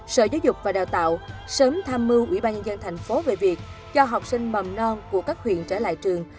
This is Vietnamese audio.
sở giáo dục và đào tạo sớm tham mưu ubnd tp về việc cho học sinh mầm non của các huyện trở lại trường